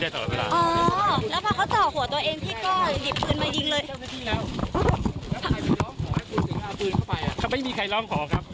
แล้วพอเขาจอกหัวตัวเอง